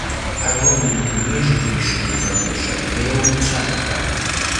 هەر وەک وتووێژێکیشم لەگەڵ پێشەنگ هەیە و چاپ کراوە